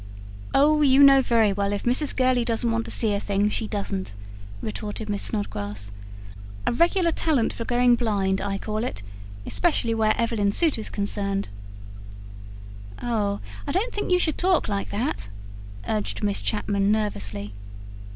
"Oh, you know very well if Mrs. Gurley doesn't want to see a thing she doesn't," retorted Miss Snodgrass. "A regular talent for going blind, I call it especially where Evelyn Souttar's concerned." "Oh, I don't think you should talk like that," urged Miss Chapman nervously.